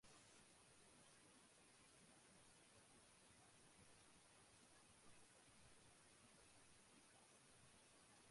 সমালোচকরা বিভিন্ন ক্ষেত্রে জমি দখলের ঘটনাগুলি দেখে এবং এই ঘটনাগুলি সংশ্লিষ্ট দেশগুলিতে উত্থাপিত করে।